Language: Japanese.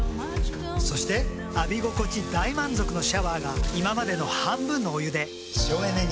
そして浴び心地大満足のシャワーが今までの半分のお湯で省エネに。